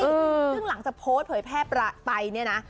ซึ่งหลังจากโพสต์เผยแพร่ไปเนี่ยนะ